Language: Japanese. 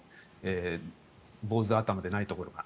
坊主頭でないところが。